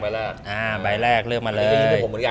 อ่าใบแรกเลือกมาเลย